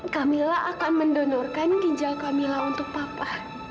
kamila akan mendonorkan ginjal kamila untuk papa